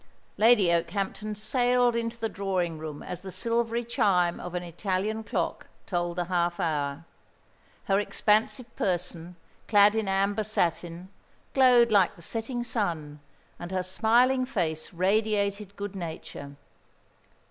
Lady Okehampton sailed into the drawing room as the silvery chime of an Italian clock told the half hour. Her expansive person, clad in amber satin, glowed like the setting sun, and her smiling face radiated good nature.